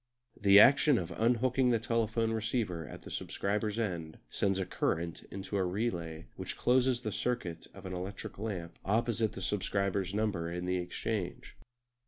The action of unhooking the telephone receiver at the subscriber's end sends a current into a relay which closes the circuit of an electric lamp opposite the subscriber's number in the exchange.